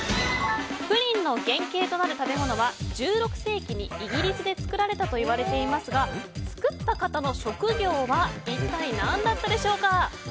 プリンの原形となる食べ物は１６世紀にイギリスで作られたといわれていますが作った方の職業は一体何だったでしょうか。